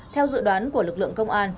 theo dự đoán của lực lượng công an